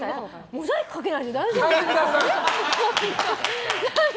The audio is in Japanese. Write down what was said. モザイクかけないで大丈夫ですか？